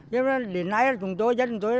nên là đến nay chúng tôi